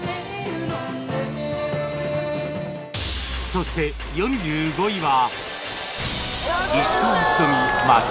そして４５位は